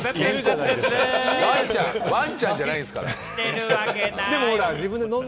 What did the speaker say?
ワンちゃんじゃないんですから。